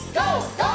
ＧＯ！